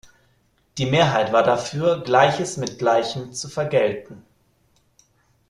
Die Mehrheit war dafür, Gleiches mit Gleichem zu vergelten.